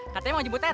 katanya mau jemput teh